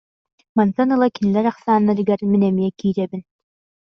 Мантан ыла кинилэр ахсааннарыгар мин эмиэ киирэбин